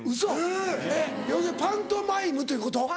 えっ要するにパントマイムということ？